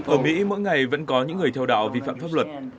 ở mỹ mỗi ngày vẫn có những người theo đạo vi phạm pháp luật